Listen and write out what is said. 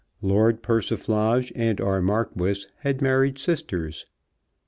Lord Persiflage and our Marquis had married sisters.